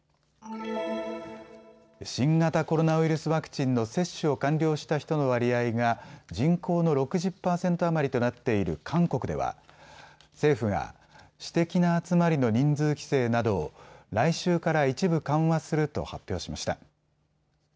新型コロナウイルスワクチンの接種を完了した人の割合が人口の６０％余りとなっている韓国では政府が私的な集まりの人数規制などを来週から一部、緩和すると発表しました。